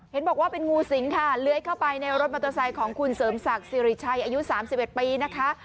เห็นบอกว่าเป็นงูสิงค่ะเลื้อยเข้าไปในรถมอเตอร์ไซค์ของคุณเสริมศักดิ์สิริชัยอายุ๓๑ปีนะคะ